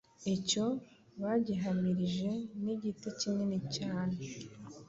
icyo bagihamirije n’igiti kinini cyane